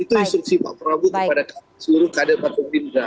itu instruksi pak prabowo kepada seluruh kadet pak pemimpin